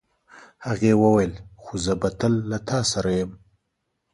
هغې وویل خو زه به تل له تا سره یم.